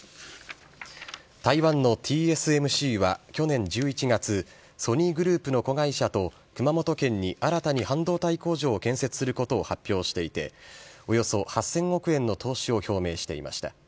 台湾のＴＳＭＣは去年１１月、ソニーグループの子会社と熊本県に新たに半導体工場を建設することを発表していて、およそ８０００億円の投資を表明していました。